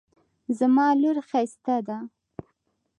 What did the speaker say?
زما لور ښایسته ده